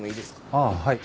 ああはい。